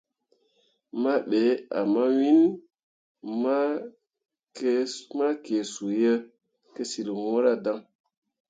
Mah be ah mawin ma kee suu ye kəsyil ŋwəə daŋ.